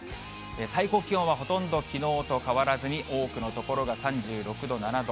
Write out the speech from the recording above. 最高気温はほとんどきのうと変わらずに多くの所が３６度、７度。